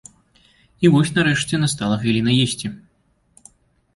І вось, нарэшце, настала хвіліна есці.